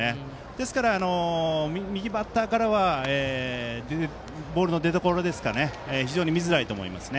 ですから右バッターからはボールの出どころが非常に見づらいと思います。